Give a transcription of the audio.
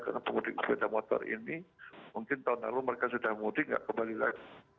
karena pemutik sepeda motor ini mungkin tahun lalu mereka sudah mudik tidak kembali lagi